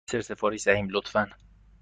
ما می خواهیم کمی دسر سفارش دهیم، لطفا.